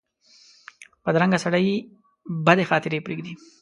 بدرنګه سړي بدې خاطرې پرېږدي